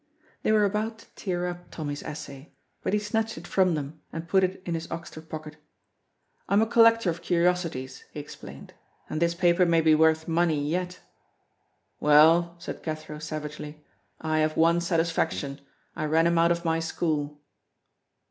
They were about to tear up Tommy's essay, but he snatched it from them and put it in his oxter pocket. "I am a collector of curiosities," he explained, "and this paper may be worth money yet." "Well," said Cathro, savagely, "I have one satisfaction, I ran him out of my school."